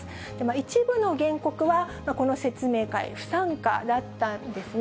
一部の原告は、この説明会、不参加だったんですね。